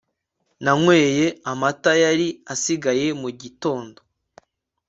nanyweye amata yari asigaye mu gitondo